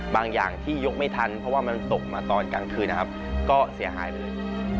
อย่างที่ยกไม่ทันเพราะว่ามันตกมาตอนกลางคืนนะครับก็เสียหายไปเลย